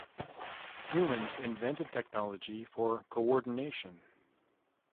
Humans invented technology for co-ordination .